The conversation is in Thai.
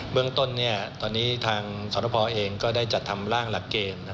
เมืองต้นตอนนี้ทางสรพเองก็ได้จัดทำร่างหลักเกณฑ์